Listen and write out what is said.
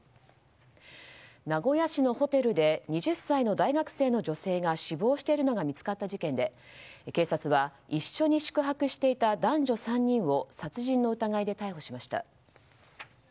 名古屋市のホテルで２０歳の大学生の女性が死亡しているのが見つかった事件で警察は、一緒に宿泊していた男女３人を殺人の疑いで逮捕しました。